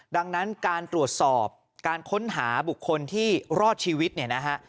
ดังนั้นการตรวจสอบการค้นหาบุคคลที่รอดชีวิตเนี่ยนะฮะ